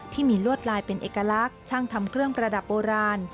ที่มีลวดลายเป็นเอกลักษณ์ช่างทำเครื่องประดับโบราณ